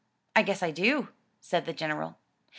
"I guess I do," said the General.